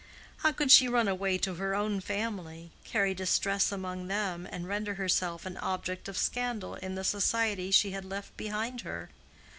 How could she run away to her own family—carry distress among them, and render herself an object of scandal in the society she had left behind her?